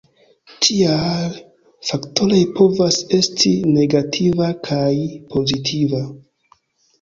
Tial, faktoroj povas esti negativa kaj pozitiva.